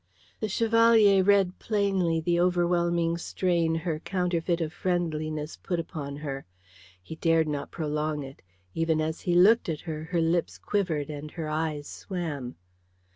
The Chevalier read plainly the overwhelming strain her counterfeit of friendliness put upon her. He dared not prolong it. Even as he looked at her, her lips quivered and her eyes swam.